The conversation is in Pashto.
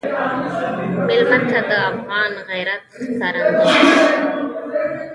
مېلمه ته د افغان غیرت ښکارندوی شه.